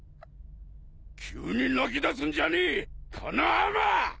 急に泣きだすんじゃねえこのアマ！